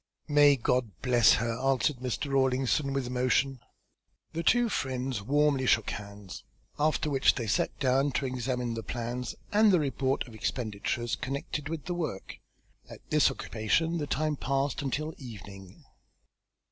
"May God bless her!" answered Mr. Rawlinson with emotion. The two friends warmly shook hands, after which they sat down to examine the plans and the report of expenditures connected with the work. At this occupation the time passed until evening.